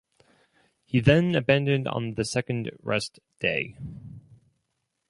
He then abandoned on the second rest day.